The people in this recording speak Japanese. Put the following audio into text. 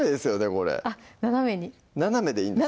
これあっ斜めに斜めでいいんですか？